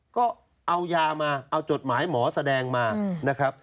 ก็เอายามาเอาจดหมายหมอแสดงมานะครับ